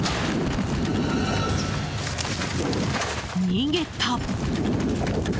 逃げた。